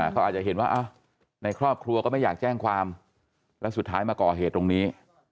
เขาอาจจะเห็นว่าในครอบครัวก็ไม่อยากแจ้งความแล้วสุดท้ายมาก่อเหตุตรงนี้